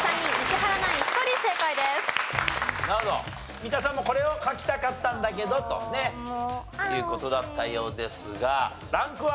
三田さんもこれを書きたかったんだけどとね。という事だったようですがランクは？